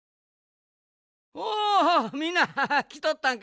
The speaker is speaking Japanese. おおみんなきとったんか。